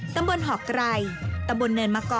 ตำบลหอกไกร